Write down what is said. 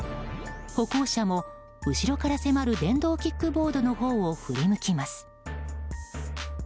歩行者も後ろから迫る電動キックボードのほうを振り向きます。